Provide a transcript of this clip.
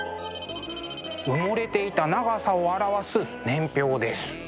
埋もれていた長さを表す年表です。